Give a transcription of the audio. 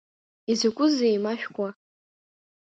Изакәызеи еимашәкуа?